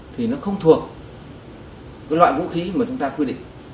thì nó không thuộc cái loại vũ khí mà chúng ta quy định